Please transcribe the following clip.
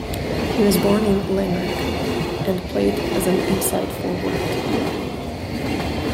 He was born in Lanark, and played as an inside forward.